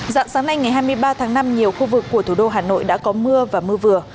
dạng sáng nay ngày hai mươi ba tháng năm nhiều khu vực của thủ đô hà nội đã có mưa và mưa vừa